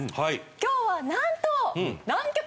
今日はなんと。